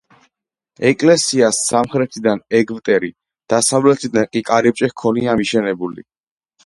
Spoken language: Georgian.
ეკლესიას სამხრეთიდან ეგვტერი, დასავლეთიდან კი კარიბჭე ჰქონია მიშენებული.